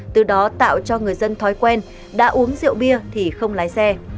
từ đó tạo cho người dân thói quen đã uống rượu bia thì không lái xe